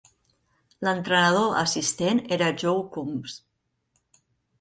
L'entrenador assistent era Joe Coombs.